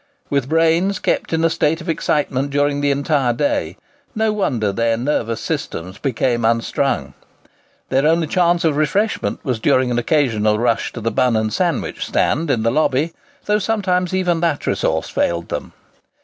With brains kept in a state of excitement during the entire day, no wonder their nervous systems became unstrung. Their only chance of refreshment was during an occasional rush to the bun and sandwich stand in the lobby, though sometimes even that resource failed them.